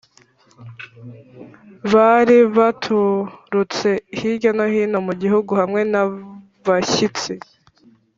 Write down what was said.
Bari baturutse hirya no hino mu gihugu hamwe n abashyitsi